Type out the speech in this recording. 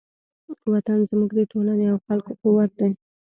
وطن زموږ د ټولنې او خلکو قوت دی.